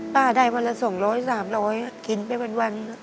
ป้าได้วันละ๒๐๐๓๐๐คินะกินไว้วัน